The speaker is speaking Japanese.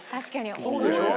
そうでしょ？